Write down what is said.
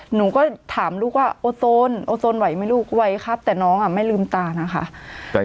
หนูก็ถามลูกว่าโอโซนโอโซนไหวไหมลูกไหวครับแต่น้องอ่ะไม่ลืมตานะคะ